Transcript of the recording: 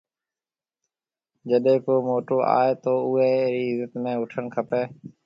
جيڏيَ ڪو موٽو آئي تو اوئي رِي عزت ۾ اُوٺڻ کپيَ۔